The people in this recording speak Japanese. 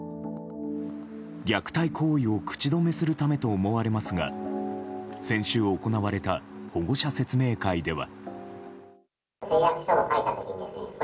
虐待行為を口止めするためと思われますが先週行われた保護者説明会では。